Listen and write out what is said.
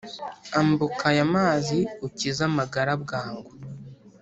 ambuka ayamazi ukize amagara bwangu